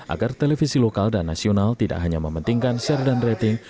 agar televisi lokal dan nasional tidak hanya mementingkan share dan rating